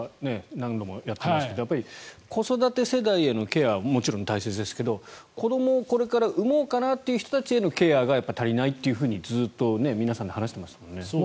何度もやっていますが子育て世代へのケアはもちろん大切ですけど子どもをこれから産もうかなという人へのケアが足りないと、ずっと皆さんで話してましたよね。